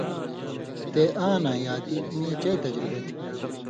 تےۡ آں نا یاتی، میں چئ تجربہ تھی